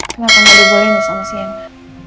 kenapa gak dibolehin sama sienna